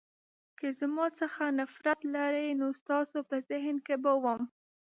که زما څخه نفرت لرئ نو ستاسو په ذهن کې به وم.